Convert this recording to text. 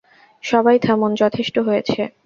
সবাই থামুন, যথেষ্ট হয়েছে।